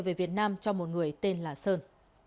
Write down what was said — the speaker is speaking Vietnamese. về việt nam cho một người tên là sơn